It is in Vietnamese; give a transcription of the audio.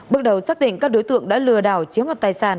bước đầu xác định các đối tượng đã lừa đảo chiếm đoạt tài sản